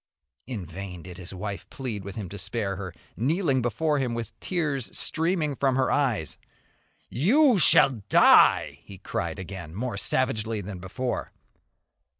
In vain did his wife plead with him to spare her, kneeling before him with tears streaming from her eyes. "You shall die!" he cried again, more savagely than before.